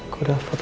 kok udah foto